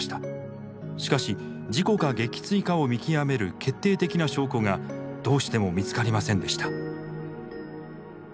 しかし事故か撃墜かを見極める決定的な証拠がどうしても見つかりませんでした。